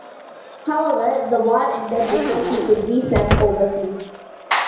However, the war ended before he could be sent overseas.